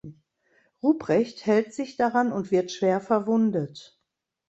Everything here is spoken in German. Ruprecht hält sich daran und wird schwer verwundet.